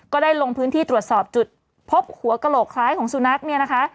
ก็ได้ลงพื้นที่ตรวจสอบจุดพบหัวกระโหลกคล้ายของสุนัขเนี่ยนะคะ